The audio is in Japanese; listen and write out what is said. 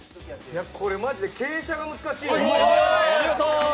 これ、マジで傾斜が難しいよ。